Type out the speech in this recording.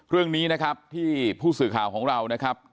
เรื่องนี้นะครับที่ผู้สื่อข่าวของเรานะครับ